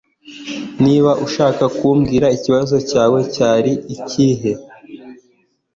Niba udashaka kumbwira ikibazo cyawe cyari ikihe